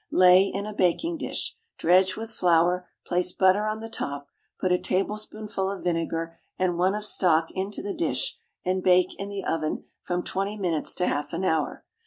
Lay in a baking dish, dredge with flour, place butter on the top, put a tablespoonful of vinegar and one of stock into the dish, and bake in the oven from twenty minutes to half an hour.